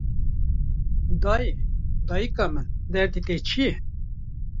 Dayê, dayika min, derdê te çi ye